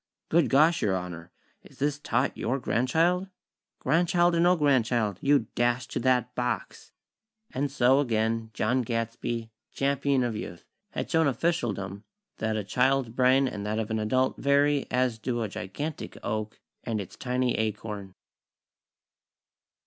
"Good gosh, Your Honor!! Is this tot your grandchild?" "Grandchild or no grandchild, you dash to that box!!" And so, again, John Gadsby, Champion of Youth, had shown officialdom that a child's brain and that of an adult vary as do a gigantic oak and its tiny acorn.